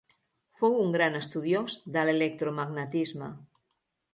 Fou un gran estudiós de l'electromagnetisme.